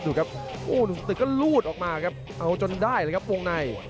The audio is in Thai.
ดูครับโอ้หนุ่มตึกก็รูดออกมาครับเอาจนได้เลยครับวงใน